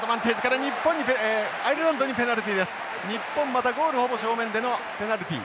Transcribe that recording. またゴールほぼ正面でのペナルティ。